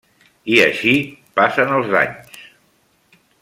I així passen els anys.